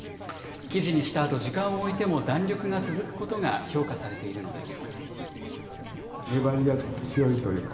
生地にしたあと時間を置いても弾力が続くことが評価されているのです。